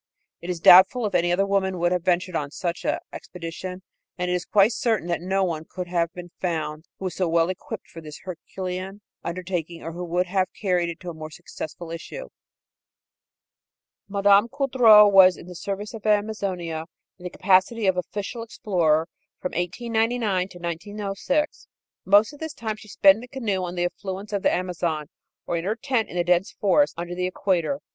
It is doubtful if any other woman would have ventured on such an expedition, and it is quite certain that no other one could have been found that was so well equipped for this herculean undertaking or who would have carried it to a more successful issue. Mme. Coudreau was in the service of Amazonia, in the capacity of official explorer, from 1899 to 1906. Most of this time she spent in a canoe on the affluents of the Amazon, or in her tent in the dense forests under the equator.